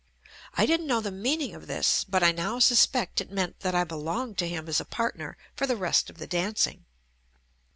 I didn't know the meaning of this, but I now suspect it meant that I belonged to him as a partner for the rest of the dancing.